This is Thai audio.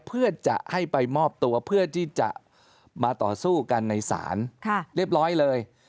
เพื่อจะให้ไปมอบตัวเพื่อที่จะมาต่อสู้กันในศาลเรียบร้อยเลย